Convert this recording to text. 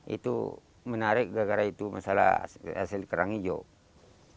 itu menarik gara gara itu masalah hasil kerang hijau